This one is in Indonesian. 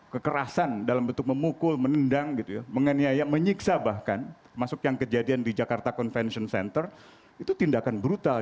kekerasan dalam bentuk memukul menendang gitu ya menyiksa bahkan masuk yang kejadian di jakarta convention center itu tindakan brutal